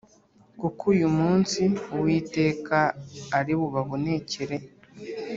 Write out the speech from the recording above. kuko uyu munsi Uwiteka ari bubabonekere